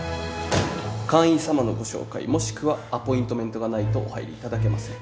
会員さまのご紹介もしくはアポイントメントがないとお入りいただけません。